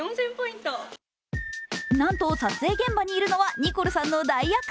なんと撮影現場にいるのはニコルさんの代役。